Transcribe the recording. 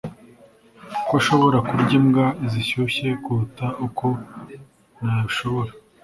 ko ashobora kurya imbwa zishyushye kuruta uko nabishobora